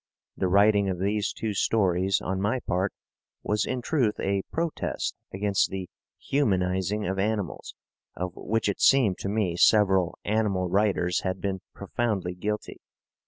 The writing of these two stories, on my part, was in truth a protest against the "humanizing" of animals, of which it seemed to me several "animal writers" had been profoundly guilty.